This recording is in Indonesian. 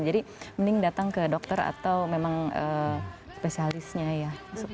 mending datang ke dokter atau memang spesialisnya ya